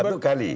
untuk satu kali